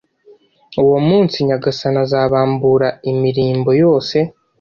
uwo munsi, nyagasani azabambura imirimbo yose